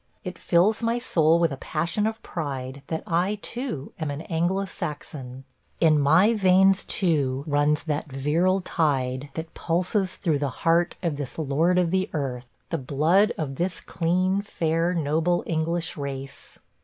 It fills my soul with a passion of pride that I, too, am an Anglo Saxon. In my veins, too, runs that virile tide that pulses through the heart of this Lord of the Earth – the blood of this clean, fair, noble English race!